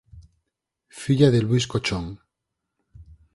Filla de Luis Cochón.